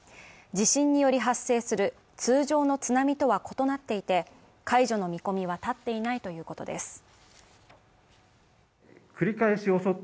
地震により発生する通常の津波とは異なっていて、解除の見込みは立っていないということです。